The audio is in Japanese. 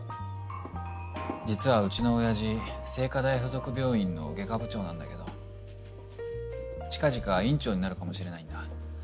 実はうちの親父聖花大附属病院の外科部長なんだけど近々院長になるかもしれないんだ。